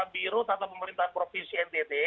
biro tata pemerintahan provinsi ntt